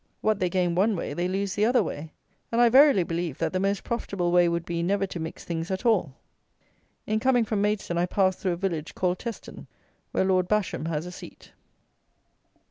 What they gain one way they lose the other way; and I verily believe, that the most profitable way would be, never to mix things at all. In coming from Maidstone I passed through a village called Teston, where Lord Basham has a seat.